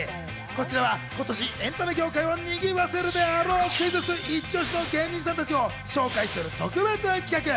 こちらは今年エンタメ業界をにぎわせるであろう、クイズッスいち推しの芸人さんたちを紹介する特別企画。